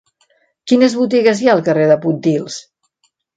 Quines botigues hi ha al carrer de Pontils?